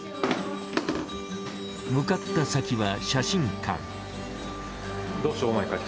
向かった先は写真館。